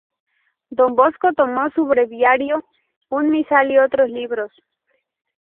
Don Bosco tomó su breviario, un misal y otros libros.